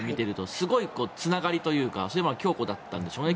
すごいつながりというか強固だったんでしょうね。